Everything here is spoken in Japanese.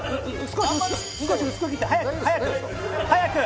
少し薄く切って！早く早く！早く！